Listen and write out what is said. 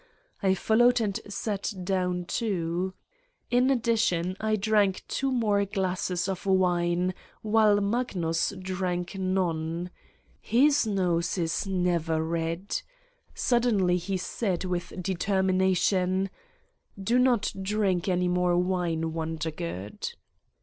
I followed and sat down too. In addition, I drank two more glasses of wine while Magnus drank none. ... His nose is never red. Suddenly he said with determination : "Do not drink any more wine, Wondergood."